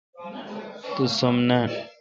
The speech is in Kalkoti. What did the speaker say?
تو سم نان۔